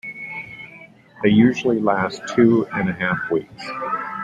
They usually last two and a half weeks.